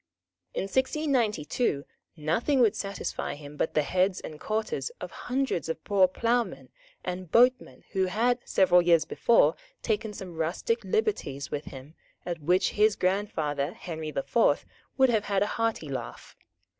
In 1692 nothing would satisfy him but the heads and quarters of hundreds of poor ploughmen and boatmen who had, several years before, taken some rustic liberties with him at which his grandfather Henry the Fourth would have had a hearty laugh.